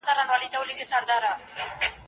هغې نجلۍ ته مور منګی نه ورکوینه.